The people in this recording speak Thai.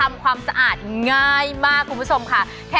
น้ำสะอาดอะมันดูดีมากค่ะโอ้ชอบชอบชอบ